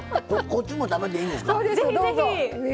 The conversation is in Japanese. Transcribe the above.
こっちも食べていいんですか。